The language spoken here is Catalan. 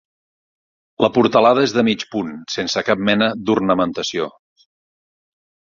La portalada és de mig punt sense cap mena d'ornamentació.